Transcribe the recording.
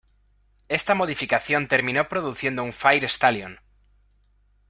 Esta modificación terminó produciendo un "Fire Stallion".